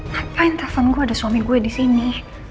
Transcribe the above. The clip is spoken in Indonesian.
ngapain telpon gua ada suami gua disini